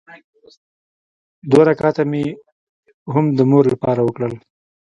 دوه رکعته مې هم د مور لپاره وکړل.